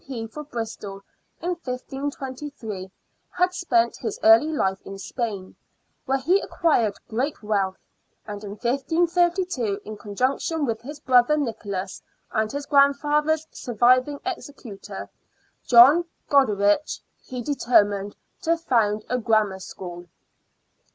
P. for Bristol in 1523^ 41 42 SIXTEENTH CENTURY BRISTOL had spent his early hfe in Spain, where he acquired great wealth, and in 1532, in conjunction with his brother Nicholas and his father's surviving executor, John Goderich, he determined to found a grammar school.